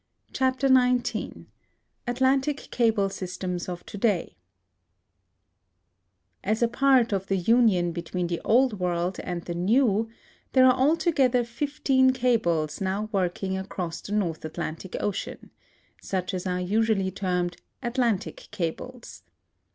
CHAPTER XIX ATLANTIC CABLE SYSTEMS OF TO DAY Connecting Links Tariff Revenue As a part of the union between the old world and the new, there are altogether fifteen cables now working across the North Atlantic Ocean (see Fig. 45), such as are usually termed "Atlantic cables."